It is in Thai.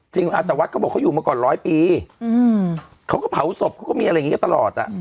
จริงอ่ะแต่วัดก็บอกเขาอยู่มาก่อนร้อยปีอืมเขาก็เผาศพเขาก็มีอะไรอย่างงี้ตลอดอ่ะ